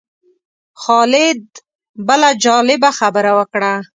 خالد بله جالبه خبره وکړه.